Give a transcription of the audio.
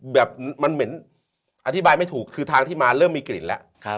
แบบมันเหม็นอธิบายไม่ถูกคือทางที่มาเริ่มมีกลิ่นแล้ว